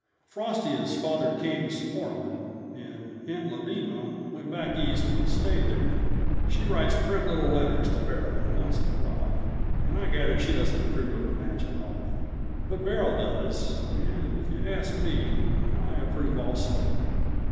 Frosty is father King's foreman, and Aunt Lodema went back East and stayed there. She writes prim little letters to Beryl, once in awhile, and I gather that she doesn't approve of the match at all. But Beryl does, and, if you ask me, I approve also.